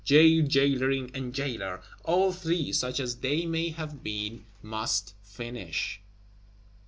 Jail, Jailoring, and Jailor, all three, such as they may have been, must finish.